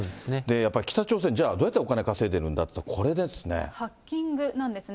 やっぱり北朝鮮、じゃあどうやってお金稼いでるんだって、こハッキングなんですね。